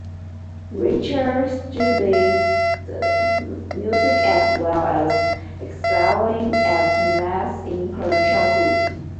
Richer studied music as well as excelling at math in her childhood.